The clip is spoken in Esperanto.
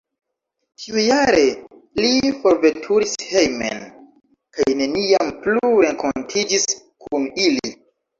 Tiujare li forveturis hejmen kaj neniam plu renkontiĝis kun ili.